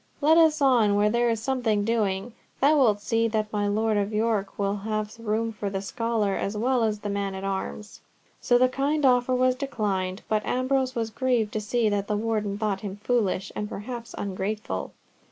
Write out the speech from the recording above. let us on where there is something doing! Thou wilt see that my Lord of York will have room for the scholar as well as the man at arms." So the kind offer was declined, but Ambrose was grieved to see that the Warden thought him foolish, and perhaps ungrateful.